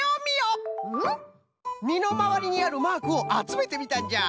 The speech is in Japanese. みのまわりにあるマークをあつめてみたんじゃ。